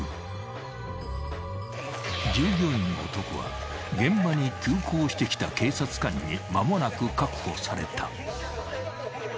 ［従業員の男は現場に急行してきた警察官に間もなく確保された］